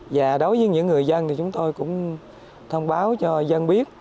và đối với những người dân thì chúng tôi cũng thông báo cho dân biết